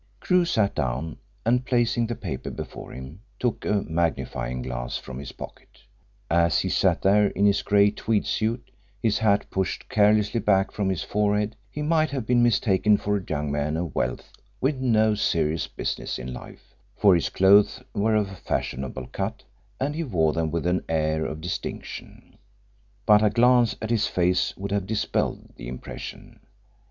Crewe sat down, and placing the paper before him took a magnifying glass from his pocket. As he sat there, in his grey tweed suit, his hat pushed carelessly back from his forehead, he might have been mistaken for a young man of wealth with no serious business in life, for his clothes were of fashionable cut, and he wore them with an air of distinction. But a glance at his face would have dispelled the impression.